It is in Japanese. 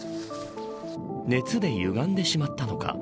熱で、ゆがんでしまったのか。